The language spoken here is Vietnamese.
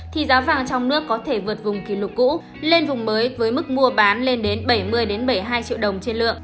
thì giá vàng trong nước có thể vượt vùng kỷ lục cũ lên vùng mới với mức mua bán lên đến bảy mươi bảy mươi hai triệu đồng trên lượng